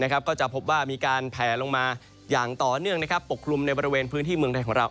ก็จะพบว่ามีการแผลลงมาอย่างต่อเนื่องปกคลุมในบริเวณพื้นที่เมืองไทยของเรา